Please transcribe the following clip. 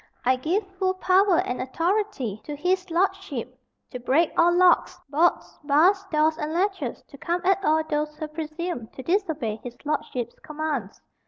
I give full power and authority to his lordship to break all locks, bolts, bars, doors, and latches to come at all those who presume to disobey his lordship's commands.